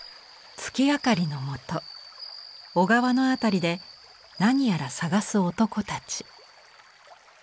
月明かりの下小川の辺りで何やら探す男たち。